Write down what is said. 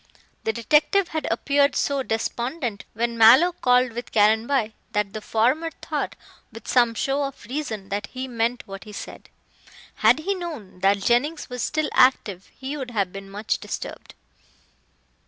The detective had appeared so despondent when Mallow called with Caranby that the former thought with some show of reason that he meant what he said. Had he known that Jennings was still active he would have been much disturbed.